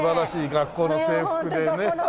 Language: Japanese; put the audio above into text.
学校の制服で。